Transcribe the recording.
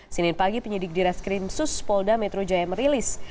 senin pagi penyidik di reskrim suspolda metro jaya merilis